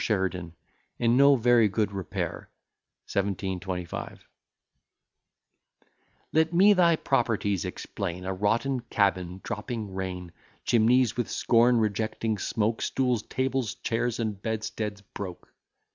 SHERIDAN, IN NO VERY GOOD REPAIR. 1725 Let me thy properties explain: A rotten cabin, dropping rain: Chimneys, with scorn rejecting smoke; Stools, tables, chairs, and bedsteads broke.